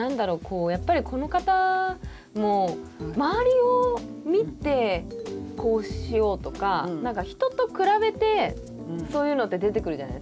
やっぱりこの方も周りを見てこうしようとか何か人と比べてそういうのって出てくるじゃないですか。